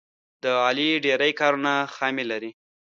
د علي ډېری کارونه خامي لري.